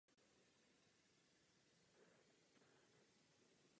Té však hrozí zavření.